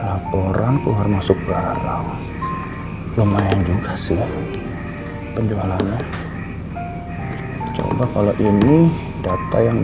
laporan keluar masuk garam lumayan juga sih penjualannya coba kalau ini data yang